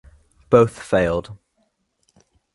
Both failed.